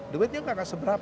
saya di rumah